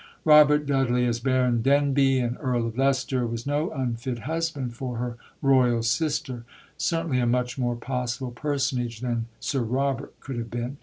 Robert Dudley as Baron Denbigh and Earl of Leicester was no unfit husband for her "Royal sister"; certainly a much more possible personage than "Sir Robert" could have been.